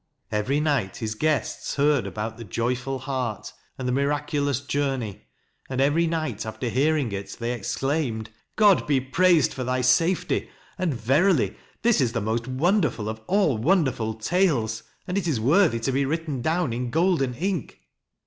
Every night his guests heard about the Joyful Heart and the miraculous journey; and every night after hearing it they ex claimed :" God be praised for thy safety, and verily this is the most wonderful of all wonderful tales, and is worthy to be written down in golden ink."